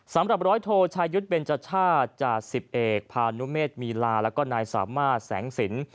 สำหรับร้อยโทชายุทธ์เบนจชาติจ่าสิบเอกพานุเมษมีลาแล้วก็นายสามารถแสงสิน